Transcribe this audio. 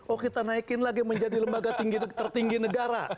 oh kita naikin lagi menjadi lembaga tertinggi negara